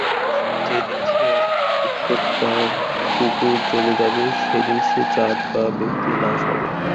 যে-দিন সে আবশ্যকতাটুকু চলে যাবে, সেদিন সে জাত বা ব্যক্তির নাশ হবে।